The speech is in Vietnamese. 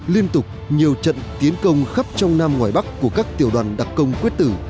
liên tục nhiều trận tiến công khắp trong nam ngoài bắc của các tiểu đoàn đặc công quyết tử